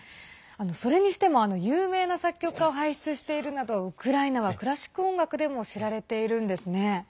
それにしても有名な作曲家を輩出しているなどウクライナはクラシック音楽でも知られているんですね。